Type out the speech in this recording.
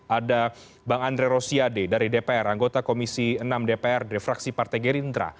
ada bang andre rosiade dari dpr anggota komisi enam dpr dari fraksi partai gerindra